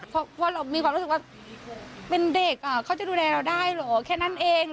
เพราะเรามีความรู้สึกว่าเป็นเด็กเขาจะดูแลเราได้เหรอแค่นั้นเอง